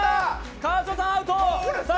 川島さん、アウト！